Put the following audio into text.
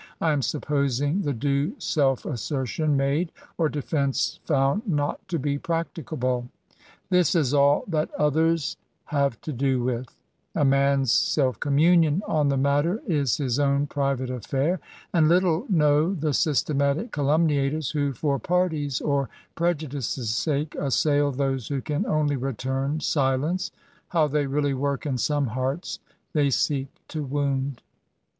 I am supposing the due self assertion made, or defence found not to be practicable. This is all that others have to GAINS AND PRIVILEGES. 207 do witL A man's self communion on the matter is hi& own private affair : and little know the systematic calumniators, who for party's or pre judice's sake, assail those who can only return silence, how they really work in some hearts they seek to wound.